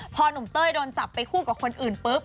พอนุ่มเต้ยโดนจับไปจับไปด้วยคนอื่นปุ๊ป